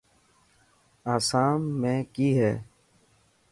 اسام ۾ ڪي هي.